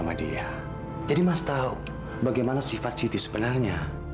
mas tau bagaimana sifat siti sebenarnya